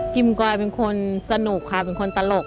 กอยเป็นคนสนุกค่ะเป็นคนตลก